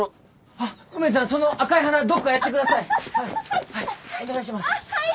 あっ梅津さんその赤い花どっかやってください！ははい！